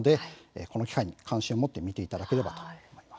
この機会に関心を持って見ていただければと思います。